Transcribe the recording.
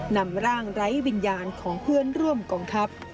นำร่างไร้วิญญาณของเพื่อนร่วมกองทัพ